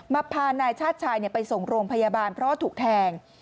พานายชาติชายไปส่งโรงพยาบาลเพราะว่าถูกแทง